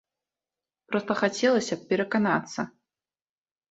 Проста хацелася б пераканацца.